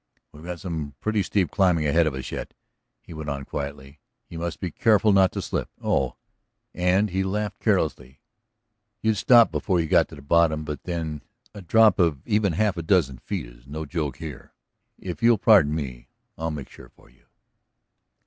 "We've got some pretty steep climbing ahead of us yet," he went on quietly. "You must be careful not to slip. Oh," and he laughed carelessly, "you'd stop before you got to the bottom, but then a drop of even half a dozen feet is no joke here. If you'll pardon me I'll make sure for you."